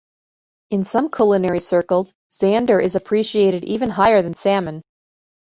In some culinary circles, zander is appreciated even higher than salmon.